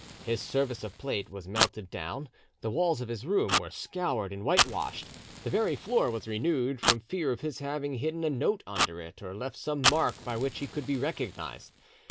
His service of plate was melted down, the walls of his room were scoured and whitewashed, the very floor was renewed, from fear of his having hidden a note under it, or left some mark by which he could be recognised.